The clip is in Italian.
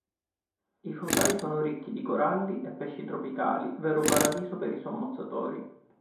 I fondali sono ricchi di coralli e pesci tropicali, vero paradiso per i sommozzatori.